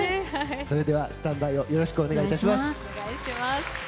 それではスタンバイをよろしくお願いします。